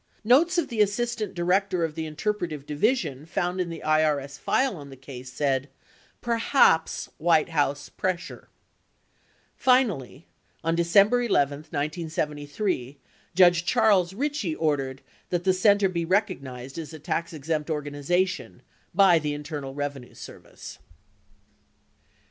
85 Notes of the As sistant Director of the Interpretive Division found in the IBS file on the case said, " perhaps White House pressure ." 86 Finally, on De cember 11, 1973, Judge Charles Bichey ordered that the Center be recognized as a tax exempt organization by the Internal Bevenue Service.